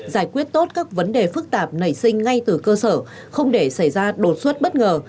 giải quyết tốt các vấn đề phức tạp nảy sinh ngay từ cơ sở không để xảy ra đột xuất bất ngờ